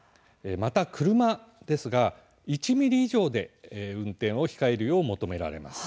また車ですが１ｍｍ以上で運転を控えるよう求められます。